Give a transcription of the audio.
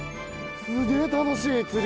すげえ楽しい！釣り。